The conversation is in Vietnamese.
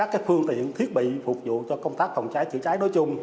các phương tiện thiết bị phục vụ cho công tác phòng cháy chữa cháy đối chung